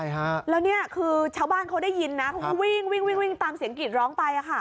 ใช่ค่ะแล้วนี่คือชาวบ้านเขาได้ยินนะวิ่งตามเสียงกรีดร้องไปค่ะ